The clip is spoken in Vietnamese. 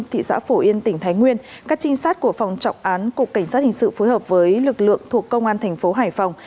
thị xã phổ yên tỉnh thái nguyên các trinh sát của phòng trọng án cục cảnh sát hình sự phối hợp với lực lượng thuộc công an thành phố hải phòng